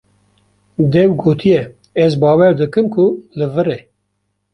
Dêw gotiye: Ez bawer dikim ku li vir e.